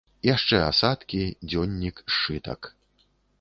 Яшчэ асадкі, дзённік, сшытак.